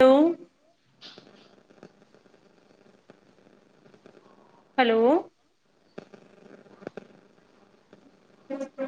Hello hello. [unintelligible]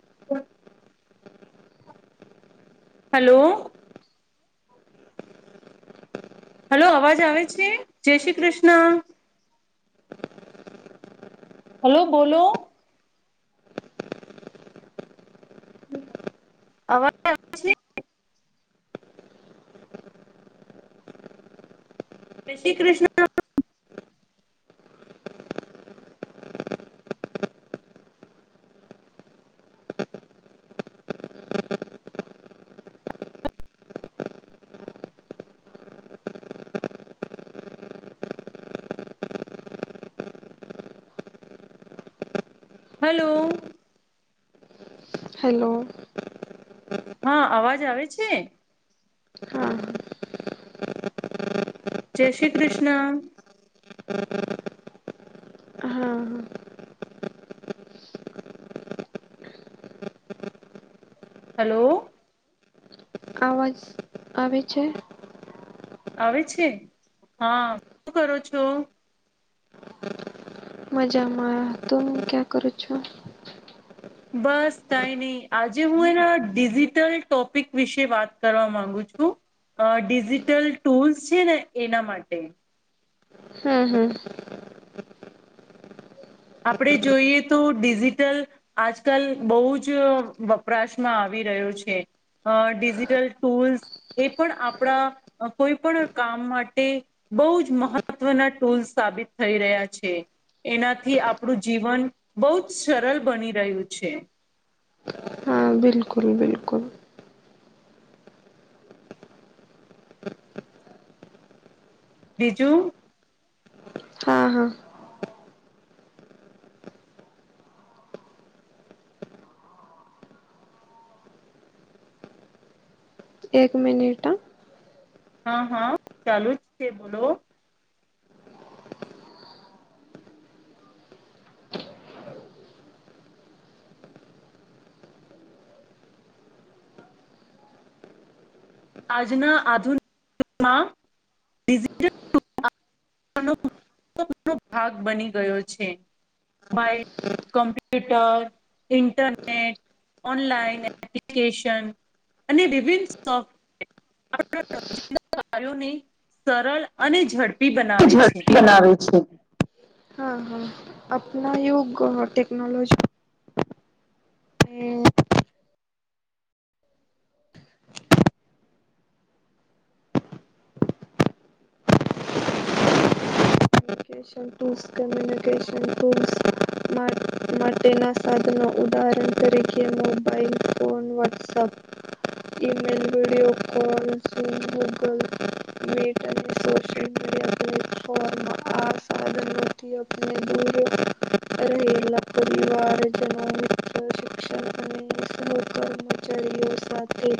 [unintelligible] Hello. Hello અવાજ આવે છે, જય શ્રી કૃષ્ણ. હલો બોલો અવા [unintelligible] જે શ્રી કૃષ્ણ. હલો. હલો. હા અવાજ આવે છે? હા. જય શ્રી કૃષ્ણ. [unintelligible] હા. હલો. અવાજ આવે છે. આવે છે? હા શું કરો છો? મજામાં, તો હું ક્યાં કરું છું? બસ કઈ નહી આજે હું એના ડિજિટલ ટોપિક વિશે વાત કરવા માંગુ છું. અ ડિજિટલ ટૂલ્સ છે, ને એના માટે હા હા. આપણે જોઈએ તો ડિજિટલ આજકાલ બહુ જ વપરાશમાં આવી રહ્યો છે. અ ડિજિટલ ટૂલ્સ એ પણ આપણા કોઈ પણ કામ માટે બહુ જ મહત્વના ટૂલ સાબિત થઈ રહ્યા છે, એના થી આપણું જીવન બહુ જ સરળ બની રહ્યું છે. હા બિલકુલ બિલકુલ. બીજું? હા હા. એક મિનિટ અ હા હા ચાલુ જ છે બોલો આજના આધુનિકમાંલ [inaudible] મહો ભાગ બની ગયો છે [inaudible] બાઈ, કમ્પ્યુટર, ઇન્ટરનેટ [inaudible] ઓનલાઈન એપ્લિકેશન અને વિભિન સોફ [inaudible] આપ રો કાર્યોને સરળ અને ઝડપી બનાવે [inaudible] ડપ બનાવે છે, હ [inaudible] આપણા યુગ ટેકનોલોજી [inaudible] ટૂલ્સ કમ્યુનિકેશન ટૂલ્સ માટેના સાધનો ઉદાહરણ તરીકે mobile phone WhatsApp [inaudible] email video કોલસિ ગૂગલ [inaudible] નેટ અને સોશિલ મીડિયા તથી આપને દૂર રહેલા પરિવારજનો મિત્ર શિક્ષણ અને સહકર્મચારીઓ સાથે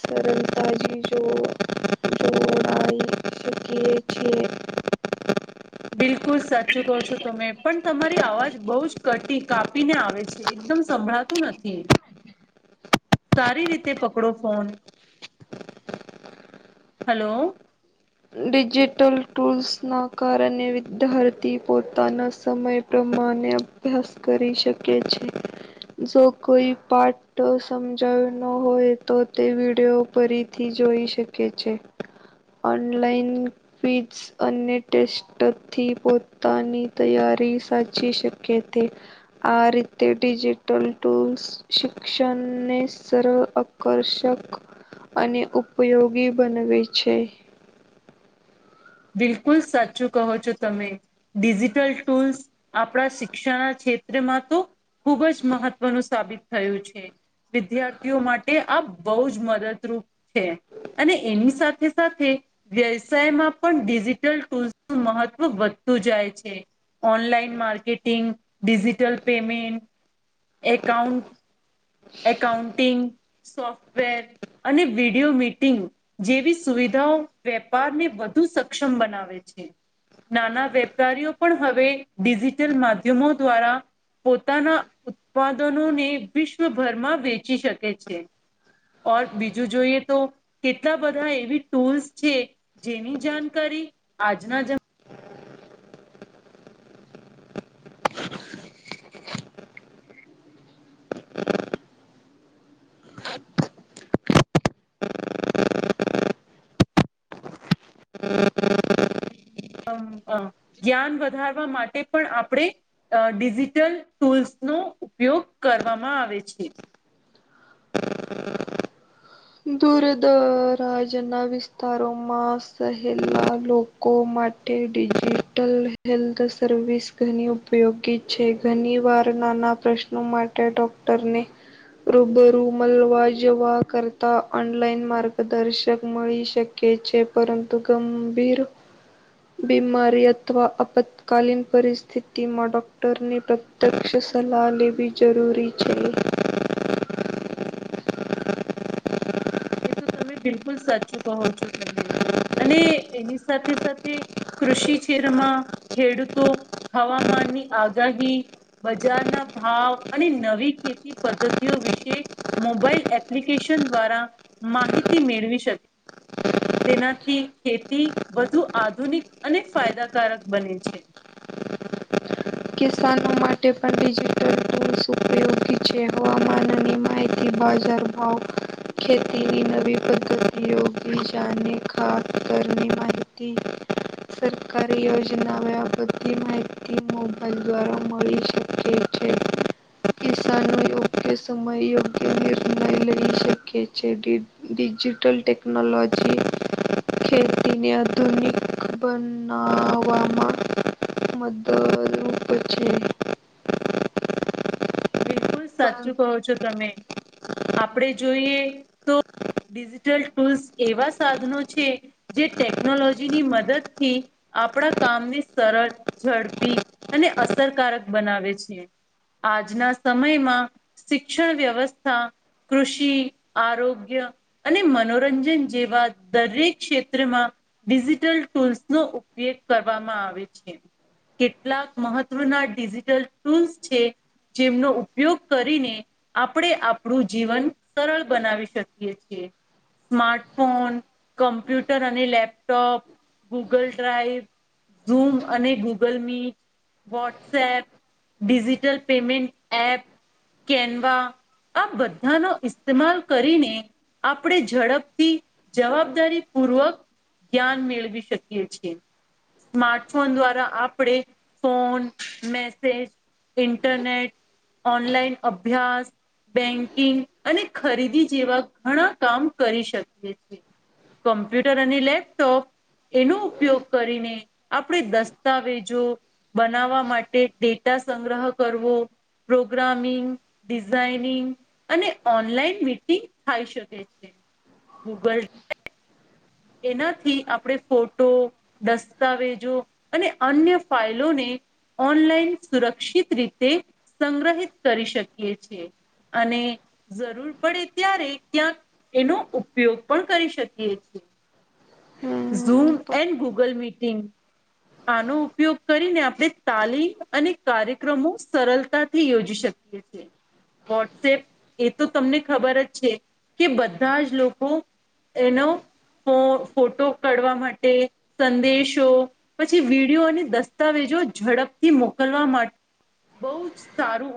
સરળતાથી જો જોડાઈ શકીએ છીએ. બિલકુલ સાચું કહો છો તમે પણ તમારી અવાજ બહુ જ કટી કાપીને આવે છે. એકદમ સંભળાતું નથી સારી રીતે પકડો ફોન હલો. ડિજિટલ ટૂલ્સના કારણે વિદ્યાર્થી પોતાના સમય પ્રમાણે અભ્યાસ કરી શકે છે જો કોઈ પાઠ ફટો સમજાવ ન હોય તો તે વીડિયો ફરીથી જોઈ શકે છે. ઓનલાઇન ફીજ અને ટેસ્ટથી પોતાની તૈયારી સાચી શકે છે. આ રીતે ડિજિટલ ટૂલ્સ શિક્ષણને સરળ આકર્ષક અને ઉપયોગી બનાવે છે. બિલકુલ સાચું કહો છો તમે ડિજિટલ ટૂલ્સ આપણા શિક્ષણ [unintelligible] ક્ષેત્રમાં તો ખુબ જ મહત્વનું સાબિત થયું છે. વિદ્યાર્થીઓ માટે આ બહુ જ મદદરૂપ છે [inaudible] અને એની સાથે સાથે વ્યવસાયમાં પણ ડિજિટલ ટૂલ્સ નું મહત્વ વધતું જાય છે. Online marketing digital payment account accounting software અને વિડીિયો મીટિંગ જેવી સુવિધાઓ વેપાર ને વધુ સક્ષમ બનાવે છે. નાના વેપારીઓ પણ હવે ડિજિટલ માધ્યમો દ્વારા પોતાના ઉત્પાદનોને વિશ્વભરમાં વેચી શકે છે. ઓર બીજું જોઈએ તો કેટલા બધા એવી ટૂલ્સ છે. જેની જાણકારી આજના જ [inaudible] [inaudible] જ્ઞાન વધારવા માટે પણ આપણે અ ડિજિટલ ટૂલ્સ નો ઉપયોગ કરવામાં આવે છે દૂરદરાજના વિસ્તારોમાં સહેલા લોકો [unintelligible] માટે ડિજિટલ હેલ્થ સર્વિસ ઘણી ઉપયોગી છે ઘણી વાર નાના પ્રશ્નો માટે ડોક્ટરને રૂબરૂ મલવા જવા કર તા ઓનલાઈન માર્ગદર્શક મળી શકે છે પરંતુ ગંભીર બીમારી અથવા આપ તત્કાલીન પરિસ્થિતિ માં ડોક્ટરની પ્રત્યક્ષ સલાહ લેવી જરૂરી છે. એ તો તમે બિલકુલ સાચું કહો છો તમે અને એની સાથે સાથે કૃષિ કરમાં ખેડૂતો હવામાનની આગાહી બજારના ભાવ અને નવી ખેતી પદ્ધતિઓ વિશે મોબાઈલ એપ્લિકેશન દ્વારા માહિતી મેળવી શકે તેનાથી ખેતી વધુ આધુનિક અને ફાયદાકારક બને છે. કિસાનો માટે પણ ડિજિટલ ટૂલ્સ ઉપયોગી છે હવામાનની માહિતી બાજાર હ ખેતીની નવી પદ્ધતિયોગી જાને ખાસ કરરને માહિત સરકારી યોજના બાબતી માહિતી દ્વારા મળી શકે છે કિસાનોએ યોગ્ય સમય યોગ્ય નિર્ણય લઈ શકે છે. ડિજિટલ ટેકનોલોજી ખેતીને આધુનિક બનાવામાં મદરરૂપ છે. બિલકુલ પરં સાચું કહો છો તમે આપડે જોઈએ તો, ડિજિટલ ટૂલ્સ એવા સાધનો છે. જે ટેકનોલોજીની મદદથી આપણા કામને સરળ ઝડપી અને અસરકારક બનાવે છે આજના સમયમાં શિક્ષણ વ્યવસ્થા કૃષિ આરોગ્ય અને મનોરંજન જેવા દરેક ક્ષેત્રમાં ડિજિટલ ટૂલ્સ નો ઉપયોગ કરવામાં આવે છે. કેટલાક મહત્વના ડિજિટલ ટૂલ્સ છે. જેમનો ઉપયોગ કરીને આપણે આપણું જીવન સરળ બનાવી શકીએ છીએ. સ્માર્ટફોન, કમ્પ્યુટર અને લેપટોપ, ગૂગલ ડ્રાઈવ ઝૂમ અને Google Meet WhatsApp digital payment app Canva આ બધાનો ઇસ્તેમાલ કરીને આપણે ઝડપથી જવાબદારી પૂર્વક જ્ઞાન મેળવી શકીએ છીએ. સ્માર્ટફોન દ્વારા આપણેે ફોન મેસેજ ઇ ઇન્ટરનેટ ઓનલાઈન અભ્યાસ બેન્કિંગ અને ખરીદી જેવા ઘણા કામ કરી શકીએ છેએ. કમ્પ્યુટર અને લેપટોપ એનો ઉપયોગ કરીને આપણે દસ્તાવેજો બનાવવા માટે ડેટા સંગ્રહ કરવો પ્રોગ્રામિંગ ડિઝઇનિંગ અને ઓનલાઈન મીટિંગ થઇ શકે છે ગૂગલ એનાથી આપણે ફોટો દસ્તાવેજો અને અન્ય ફાઇલોને ઓનલાઈન સુરક્ષિત રીતે સંગ્રહિત કરી શકીએ છેએ. અને જરૂર પડે ત્યારે ક્યાંક એનો ઉપયોગ પણ કરી શકીએ છીએ ઝૂમ પરંતુ એન્ડ ગૂગલ મીટિંગ આનો ઉપયોગ કરીને આપણે તાલીમ અને કાર્યક્રમો સરળતાથી યોજી શકીએ એ છે. વોટ્સએપ એ તો તમને ખબર જ છે કે બધા જ લોકો એનો ફો ફોટો કાઢવા માટે સંદેશો પછી વિડીયો અને દસ્તાવેજો ઝડપથી મોકલવા માટે બહુ જ સારું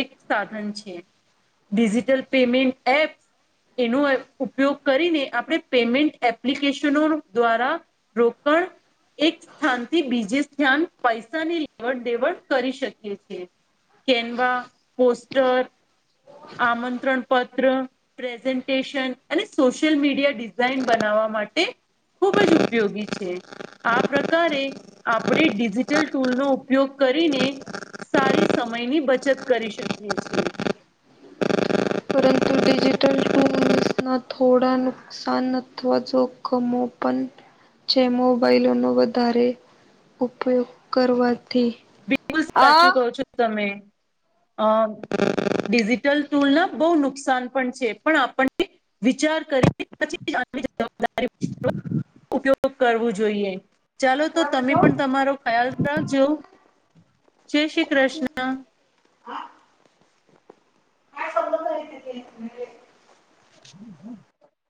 એક સાધન છે. ડિજિટલ પેમેન્ટ એપ એનો ઉપયોગ કરીને આપણે પેમેન્ટ એપ્લિકેશનો દ્વારા રોકણ એક સ્થાનથી બીજે સ્થાન પૈસાની લેવડ દેવડ કરી શકીએ છીએ કેનવા પોસ્ટર આમંત્રણ પત્ર પ્રેઝન્ટેશન અને સોશિયલ મીડિયા ડિઝાઇન બનાવવા માટે ખુબ જ ઉપયોગી છે. આ પ્રકારે આપણે ડિજિટલ ટૂલનો ઉપયોગ કરીને સારી સમયની બચત કરી શકીએ છીએ. પરંતુ ડિજિટલ ટૂલ્સ ના થોડા નુકસાન અથવા જોખમો પણ જે મોબાાઈલો નો વધારે ઉપયોગ કરવાથી બિલકુલ સાચું કહો છો તમે અ ડિજિટલ ટ્ટૂલ ના બહુ નુકસાન પણ છે, પણ આપણને વિચાર કરી પછી જવાબદારી ઉપયોગ કરવો જોઈએ, ચાલો તો તમે પણ તમારો ખ્યાલ રાખજો. જય શ્રી કૃષ્ણ હ સવદ હમ.